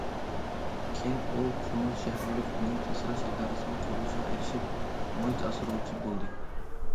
كېيىن ئۇ قۇمۇل شەھەرلىك مۇھىت ئاسراش ئىدارىسىنىڭ قوللىشىغا ئېرىشىپ،‹‹ مۇھىت ئاسرىغۇچى›› بولدى.